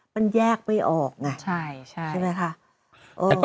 มันแยกไม่ออกไงใช่ไหมคะ